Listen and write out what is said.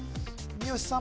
三好さん